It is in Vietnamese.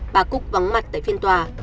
bà cúc vắng mặt tại phiên tòa